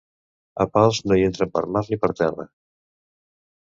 A Pals no hi entren per mar ni per terra.